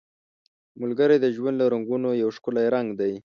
ملګری د ژوند له رنګونو یو ښکلی رنګ دی